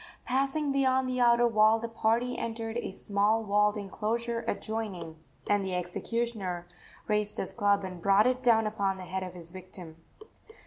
Passing beyond the outer wall, the party entered a small walled enclosure adjoining, and the executioner raised his club and brought it down upon the head of his victim.